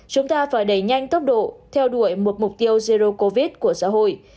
chúng ta phải đẩy nhanh tốc độ theo đuổi một mục tiêu erdo covid của xã hội